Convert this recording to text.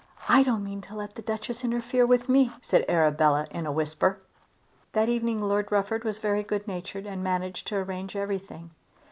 "I don't mean to let the Duchess interfere with me," said Arabella in a whisper. That evening Lord Rufford was very good natured and managed to arrange everything.